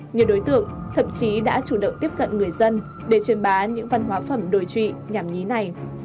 nhiều đối tượng thậm chí đã chủ động tiếp cận người dân để truyền bá những văn hóa phẩm đồi trụy nhảm nhí này